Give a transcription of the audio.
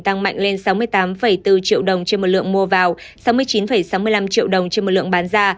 tăng mạnh lên sáu mươi tám bốn triệu đồng trên một lượng mua vào sáu mươi chín sáu mươi năm triệu đồng trên một lượng bán ra